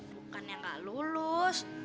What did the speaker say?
bukannya gak lulus